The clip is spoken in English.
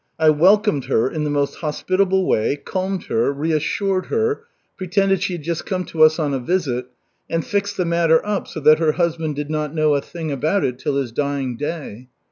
I welcomed her in the most hospitable way, calmed her, reassured her, pretended she had just come to us on a visit, and fixed the matter up so that her husband did not know a thing about it till his dying day."